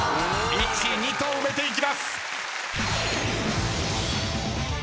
１・２と埋めていきます。